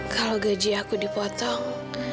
kalau gaji aku dipotong